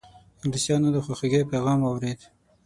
انګلیسیانو د خواخوږی پیغام واورېد.